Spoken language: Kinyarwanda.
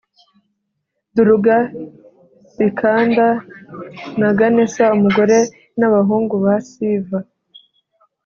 duruga, sikanda na ganesa (umugore n’abahungu ba siva).